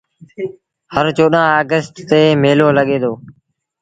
هر چوڏهآݩ اگيسٽ تي ميلو لڳي دو۔